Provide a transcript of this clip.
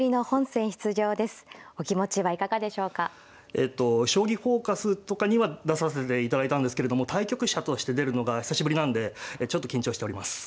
えっと「将棋フォーカス」とかには出させていただいたんですけれども対局者として出るのが久しぶりなんでちょっと緊張しております。